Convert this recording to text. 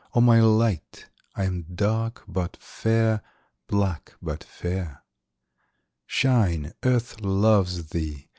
O my light, I am dark but fair, Black but fair. Shine, Earth loves thee!